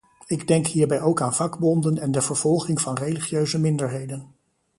Ik denk hierbij ook aan vakbonden en de vervolging van religieuze minderheden.